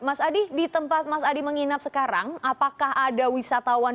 mas adi di tempat mas adi menginap sekarang apakah ada wisatawan